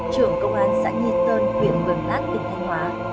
trưởng công an xã nhi tơn quyền vườn lát tỉnh thanh hóa